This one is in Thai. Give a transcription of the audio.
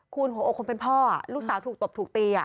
คุณหัวอกคนเป็นพ่อลูกสาวถูกตบถูกตี